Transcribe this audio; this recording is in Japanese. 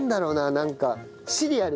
なんか。